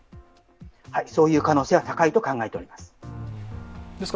そういう可能性は高いと考えております。